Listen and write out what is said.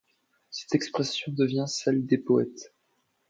Cette expression devient celle des poètes.